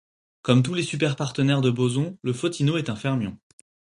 Comme tous les superpartenaires de bosons, le photino est un fermion.